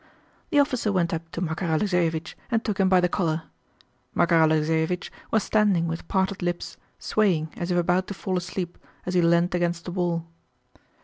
The officer went up to Makár Alexéevich and took him by the collar. Makár Alexéevich was standing with parted lips, swaying, as if about to fall asleep, as he leaned against the wall.